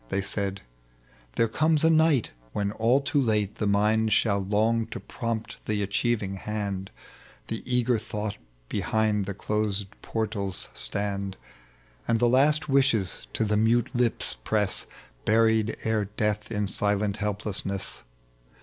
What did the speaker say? They said, " There eomea a night when all too late The mind shall long to prompt the achieving hand, The e^er thought behind closed portals stand. And the last wishes to the mnte lips press Buried ere death in silent helplessness.